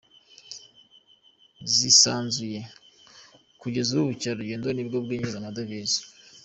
zisanzuye. Kugeza ubu ubukerarugendo nibwo bwinjiza amadevize